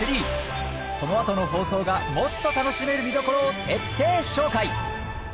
このあとの放送がもっと楽しめる見どころを徹底紹介